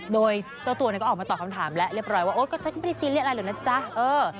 โดยเจ้าตัวเนี่ยก็ออกมาตอบคำถามแล้วเรียบร้อยว่าโอ๊ยก็ฉันไม่ได้ซีเรียสอะไรหรอกนะจ๊ะ